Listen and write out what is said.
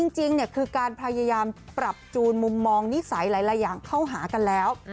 จริงคือการพยายามปรับจูนมุมมองนิสัยหลายอย่างเข้าหากันแล้ว